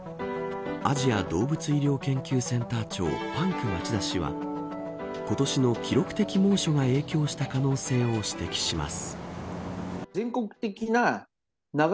アジア動物医療研究センター長パンク町田氏は今年の記録的猛暑が影響した可能性を指摘します。